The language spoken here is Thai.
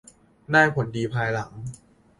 และได้ผลดีภายหลัง